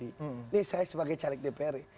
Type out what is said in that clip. ini saya sebagai caleg dpr